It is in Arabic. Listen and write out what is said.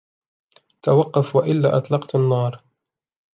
توقف و إلا أطلقت النار.